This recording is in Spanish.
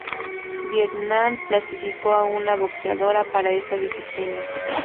Vietnam clasificó a una boxeadora para esta disciplina.